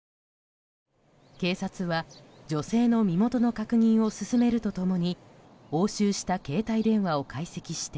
警察は女性の身元の確認を進めると共に押収した携帯電話を解析して